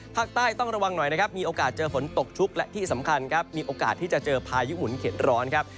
ต้องระวังหน่อยนะครับมีโอกาสเจอฝนตกชุกและที่สำคัญครับมีโอกาสที่จะเจอพายุหมุนเข็ดร้อนครับ